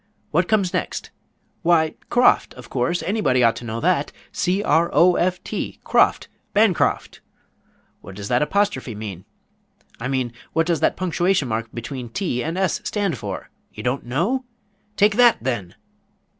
What comes next? Why, croft, of course; anybody ought to know that c r o f t, croft, Bancroft! What does that apostrophe mean? I mean, what does that punctuation mark between t and s stand for? You don't know? Take that, then!